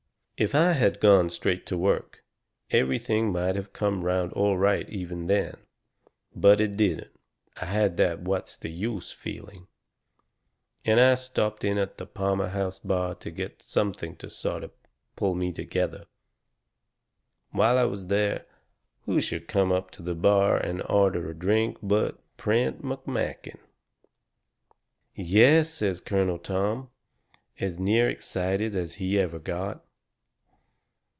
"If I had gone straight to work, everything might have come around all right even then. But I didn't. I had that what's the use feeling. And I stopped in at the Palmer House bar to get something to sort of pull me together. "While I was there, who should come up to the bar and order a drink but Prent McMakin." "Yes!" says Colonel Tom, as near excited as he ever got.